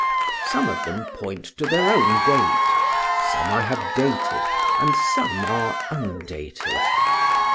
Some of them point to their own date, some I have dated, and some are undated.